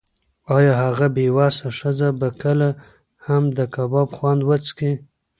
ایا هغه بې وسه ښځه به کله هم د کباب خوند وڅکي؟